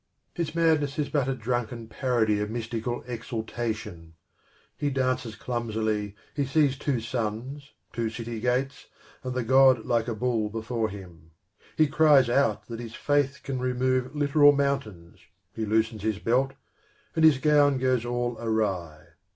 His madness is but a drunken parody of mystical exaltation. He dances PENTHEUS 41 clumsily, he sees two suns, two city gates, and the god like a bull before him. He cries out that his faith can remove literal mountains, he loosens his belt, and his gown goes all awry.